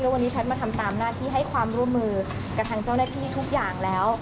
วันนี้แพทย์มาทำตามหน้าที่ให้ความร่วมมือกับทางเจ้าหน้าที่ทุกอย่างแล้ว